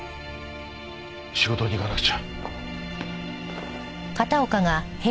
仕事に行かなくちゃ。